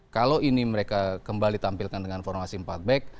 kalau ini mereka kembali tampilkan dengan formasi empat back